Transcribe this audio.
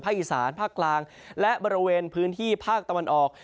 อีสานภาคกลางและบริเวณพื้นที่ภาคตะวันออก